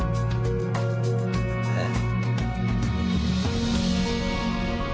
えっ？